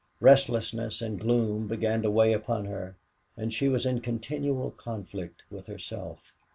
Restlessness and gloom began to weigh upon her and she was in continual conflict with herself.